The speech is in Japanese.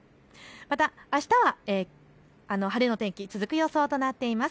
また、あしたは晴れの天気、続く予想となっています。